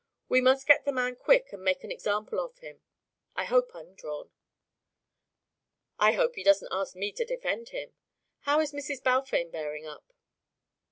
We must get the man quick and make an example of him. I hope I'm drawn." "I hope he doesn't ask me to defend him. How is Mrs. Balfame bearing up?"